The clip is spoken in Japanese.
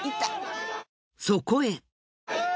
そこへ。